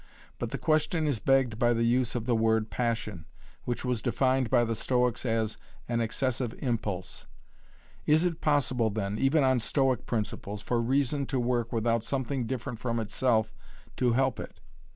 But the question is begged by the use of the word 'passion,' which was defined by the Stoics as 'an excessive impulse.' Is it possible then, even on Stoic principles, for reason to work without something different from itself to help it?